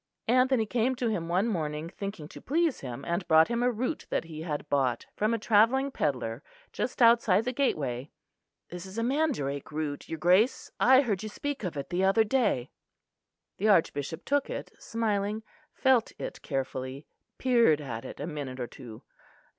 Anthony came to him one morning, thinking to please him, and brought him a root that he had bought from a travelling pedlar just outside the gateway. "This is a mandrake root, your Grace; I heard you speak of it the other day." The Archbishop took it, smiling, felt it carefully, peered at it a minute or two.